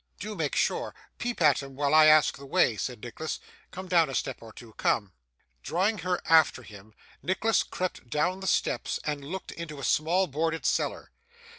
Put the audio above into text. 'Do make sure! Peep at him while I ask the way,' said Nicholas. 'Come down a step or two. Come!' Drawing her after him, Nicholas crept down the steps and looked into a small boarded cellar.